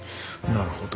なるほど。